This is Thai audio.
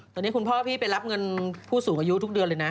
ตอนนี้คุณพ่อพี่ไปรับเงินผู้สูงอายุทุกเดือนเลยนะ